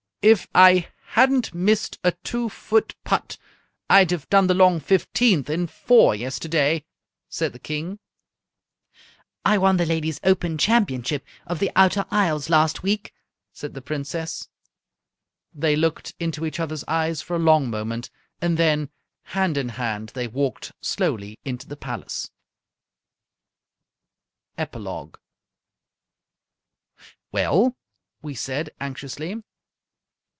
"If I hadn't missed a two foot putt, I'd have done the long fifteenth in four yesterday," said the King. "I won the Ladies' Open Championship of the Outer Isles last week," said the Princess. They looked into each other's eyes for a long moment. And then, hand in hand, they walked slowly into the palace. EPILOGUE "Well?" we said, anxiously.